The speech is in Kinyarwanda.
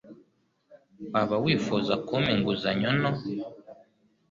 Waba wifuza kumpa inguzanyo nto?